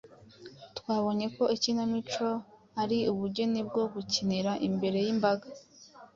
Twabonye ko Ikinamico ari ubugeni bwo gukinira imbere y’imbaga